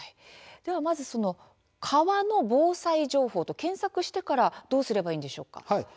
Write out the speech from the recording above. まず「川の防災情報」と検索してからどうすればよいですか。